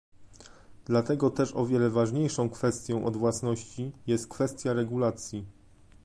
Dlatego też o wiele ważniejszą kwestią od własności jest kwestia regulacji